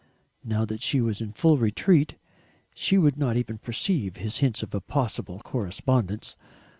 Now that she was in full retreat, she would not even perceive his hints of a possible correspondence.